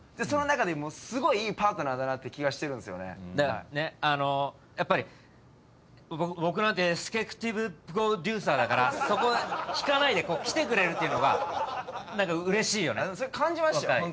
その中ですごいいいパートナーだなって気がしてるんですよねだからねあのやっぱり僕なんてエスケクティブプロデューサーだからそこ引かないで来てくれるっていうのが何か嬉しいよねそれ感じましたよ